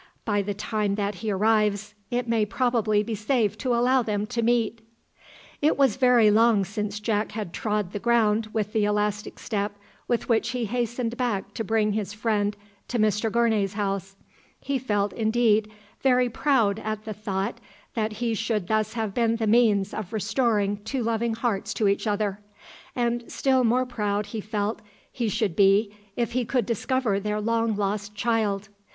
By the time that he arrives, it may probably be safe to allow them to meet." It was very long since Jack had trod the ground with the elastic step with which he hastened back to bring his friend to Mr Gournay's house. He felt, indeed, very proud at the thought that he should thus have been the means of restoring two loving hearts to each other, and still more proud he felt he should be if he could discover their long lost child.